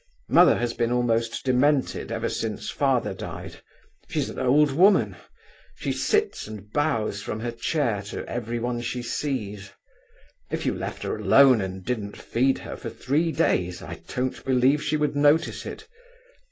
Mother has been almost demented ever since father died—she's an old woman. She sits and bows from her chair to everyone she sees. If you left her alone and didn't feed her for three days, I don't believe she would notice it.